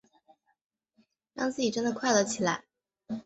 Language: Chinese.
让自己真的快乐起来